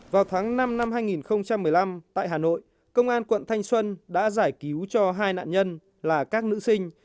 vào tháng năm năm hai nghìn một mươi năm tại hà nội công an quận thanh xuân đã giải cứu cho hai nạn nhân là các nữ sinh